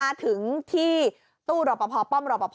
มาถึงที่ตู้รำปะพอปป้อมรำปะพอ